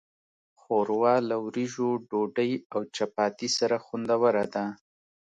ښوروا له وریژو، ډوډۍ، او چپاتي سره خوندوره ده.